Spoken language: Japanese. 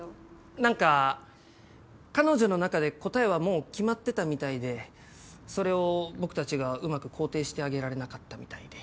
なんか彼女の中で答えはもう決まってたみたいでそれを僕たちがうまく肯定してあげられなかったみたいで。